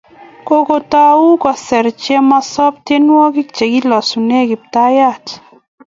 Kokotau kosir Chemosop tyenwogik che kilosune Kiptaiyat.